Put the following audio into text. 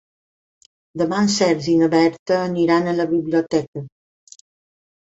Demà en Sergi i na Berta aniran a la biblioteca.